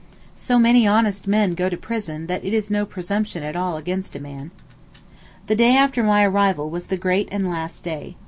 So many honest men go to prison that it is no presumption at all against a man. The day after my arrival was the great and last day.